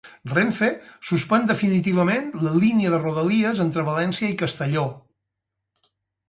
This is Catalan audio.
Renfe suspèn definitivament la línia de Rodalies entre València i Castelló